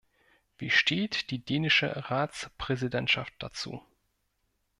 Wie steht die dänische Ratspräsidentschaft dazu?